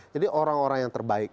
jadi orang orang yang terbaik